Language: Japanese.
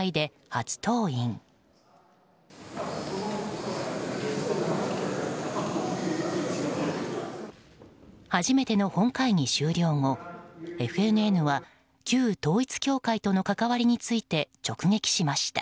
初めての本会議終了後ＦＮＮは旧統一教会との関わりについて直撃しました。